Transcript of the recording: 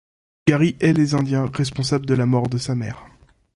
Gary hait les Indiens, responsables de la mort de sa mère.